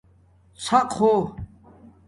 ݼق ہو